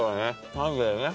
パンだよね